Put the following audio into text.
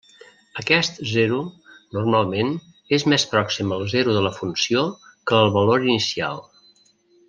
Aquest zero, normalment, és més pròxim al zero de la funció, que el valor inicial.